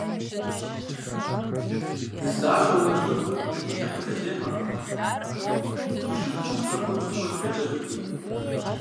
Нысащӏэр унэӏуткъым, икӏи хьэлъэзехьэкъым, уи шыпхъум пщӏэ хуэпщӏым хуэдэ къелэжь абыи.